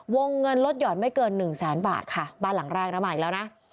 วงเงินลดหย่อนไม่เกิน๑๐๐๐๐๐บาทค่ะบ้านหลังแรกนะใหม่แล้วนะ